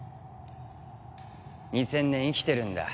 ２０００年生きてるんだ